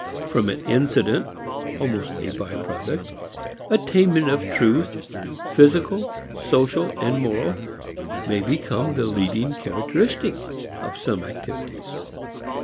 From an incident, almost a by product, attainment of truth, physical, social, moral, may become the leading characteristic of some activities.